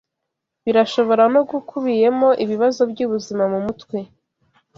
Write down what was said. birashobora no gukubiyemo ibibazo byubuzima bwo mumutwe